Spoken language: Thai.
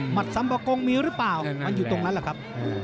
หมัดสำบักงมีรึเปล่ามันอยู่ตรงนั้นแหละครับ